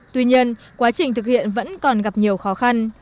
tuy nhiên quá trình thực hiện vẫn còn gặp nhiều khó khăn